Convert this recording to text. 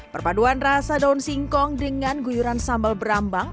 perpaduan rasa daun singkong dengan guyuran sambal berambang